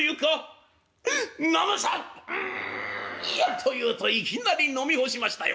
と言うといきなり飲み干しましたよ。